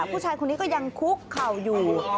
ผู้ชายคนนี้ก็ยังคุกเข่าอยู่